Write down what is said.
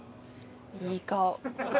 いい顔。